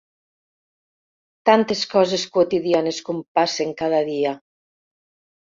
Tantes coses quotidianes com passen cada dia!